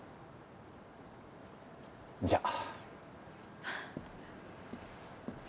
じゃあ。